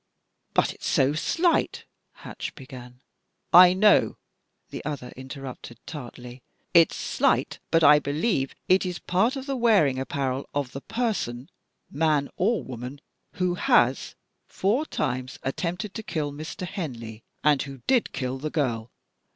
"But, it's so slight " Hatch began. " I know," the other interrupted, tartly. " It's slight, but I believe it is a part of the wearing apparel of the person, man or woman, who has four times attempted to kill Mr. Henley and who did kill the girl.